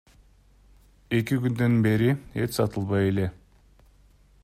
Эки күндөн бери эт сатылбай эле.